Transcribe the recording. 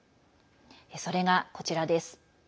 それがこちらです。